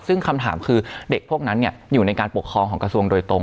ซึ่งคำถามคือเด็กพวกนั้นอยู่ในการปกครองของกระทรวงโดยตรง